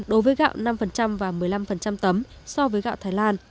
đối với gạo năm và một mươi năm tấm so với gạo thái lan